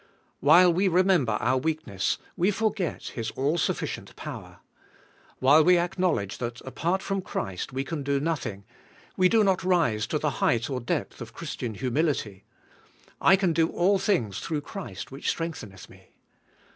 * While we remember our weakness, we forget His all sufficient power. While we acknowledge that apart from Christ we can do nothing, we do not rise to the height or depth of Christian humility: I can do all things through Christ which strengtheneth me.